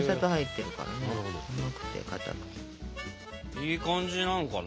いい感じなのかな？